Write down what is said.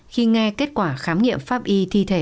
khi nghe kết quả khám nghiệm pháp y thi thể